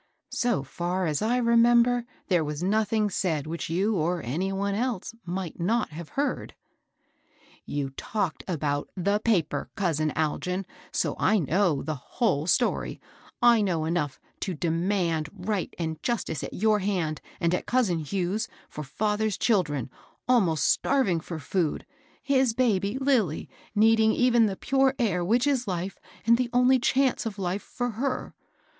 ^^ So &r as I remember, there was nothing said which yoii or any one else might not have heard." <^ Yon talked about the fOfw^ cousin Algin \ So, I know the whole stcny,^— I know enough to d/dmamd right and justice at your hand and; at cousin Hugh's for fiitber's ohildp^, almost starving for food, —^ his baby, LiUy, neec&ig evea 1^ pure air whidi is hfe, and the only diance i^ life, for her.